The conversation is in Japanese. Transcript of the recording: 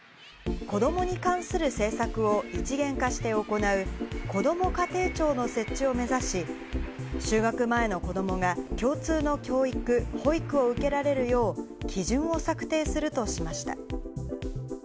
子どもに関する政策を一元化して行う、こども家庭庁の設置を目指し、就学前の子どもが共通の教育・保育を受けられるよう、基準を策定するとしました。